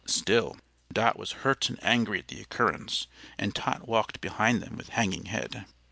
Still, Dot was hurt and angry at the occurrence, and Tot walked behind them with hanging head.